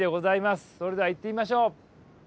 それでは行ってみましょう。